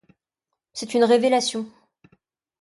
C’est une révélation.